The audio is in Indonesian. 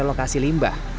tetapi juga merilokasi limbah